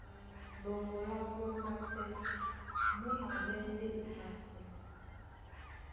Ɗoŋgo lá póndá pɛ́ mú maɓɛ́ ndé epasi.